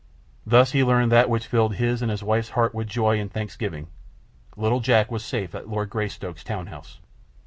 Thus he learned that which filled his and his wife's heart with joy and thanksgiving—little Jack was safe at Lord Greystoke's town house.